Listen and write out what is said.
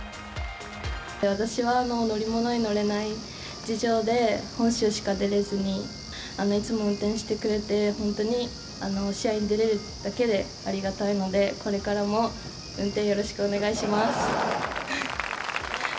私は乗り物に乗れない事情で、本州しか出れずに、いつも運転してくれて、本当に試合に出れるだけでありがたいので、これからも運転よろしくお願いします。